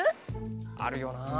あるよな。